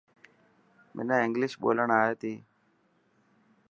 منا انگلش ٻولڻ آئي تي.